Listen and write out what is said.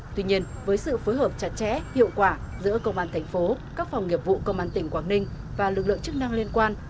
tuy nhiên với sự phối hợp chặt chẽ hiệu quả giữa công an thành phố các phòng nghiệp vụ công an tỉnh quảng ninh và lực lượng chức năng liên quan